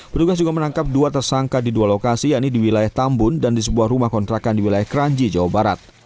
petugas juga menangkap dua tersangka di dua lokasi yaitu di wilayah tambun dan di sebuah rumah kontrakan di wilayah kranji jawa barat